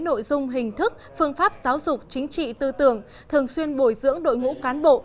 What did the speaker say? nội dung hình thức phương pháp giáo dục chính trị tư tưởng thường xuyên bồi dưỡng đội ngũ cán bộ